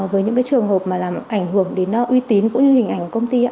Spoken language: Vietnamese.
với những trường hợp làm ảnh hưởng đến uy tín cũng như hình ảnh của công ty